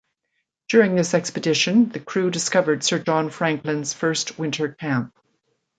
During this expedition, the crew discovered Sir John Franklin's first winter camp.